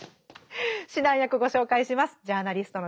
指南役ご紹介します。